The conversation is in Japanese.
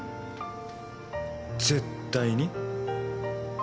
絶対に？